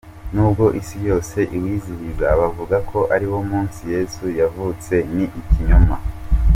Nubwo isi yose iwizihiza bavuga ko ariwo Munsi Yesu yavutse, ni ikinyoma.